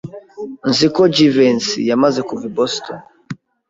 Nzi ko Jivency yamaze kuva i Boston.